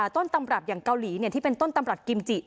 ต้นตำรับอย่างเกาหลีที่เป็นต้นตำรับกิมจิ